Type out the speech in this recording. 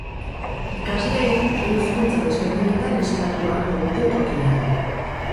Ikasleek hiru hizkuntza desberdinetan eskatu ahalko dute tokia.